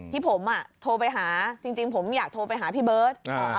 ที่ผมโทรไปหาจริงผมอยากโทรไปหาพี่เบิร์ต